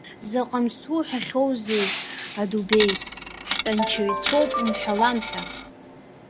Заҟантә суҳәахьоузеи, Адубеи, ҳтәанчаҩцәоуп умҳәалан ҳәа.